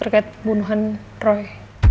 kayak bunuhan roy